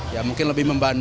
ya mungkin lebih membantu